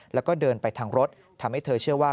แล้วก็เดินไปทางรถทำให้เธอเชื่อว่า